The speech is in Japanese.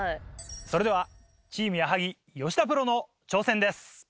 それではチーム矢作吉田プロの挑戦です。